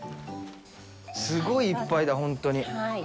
すごいいっぱいだ、ほんとに。